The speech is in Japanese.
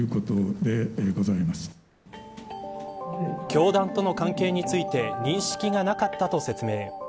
教団との関係について認識がなかったと説明。